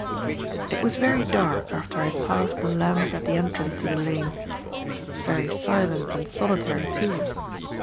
It was very dark after I had passed the lamp at the entrance to the lane. Very silent and solitary too.